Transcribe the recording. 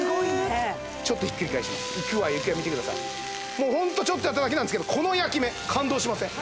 もうホントちょっとやっただけなんですけどこの焼き目感動しません？